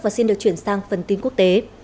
và xin được chuyển sang phần tin quốc tế